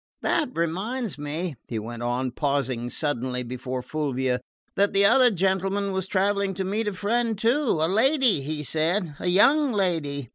"That reminds me," he went on, pausing suddenly before Fulvia, "that the other gentleman was travelling to meet a friend too; a lady, he said a young lady.